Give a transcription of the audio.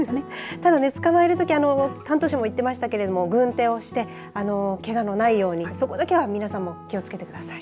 ただね捕まえるとき担当者も言っていましたが軍手をして、けがのないようにそこだけは皆さん気をつけてください。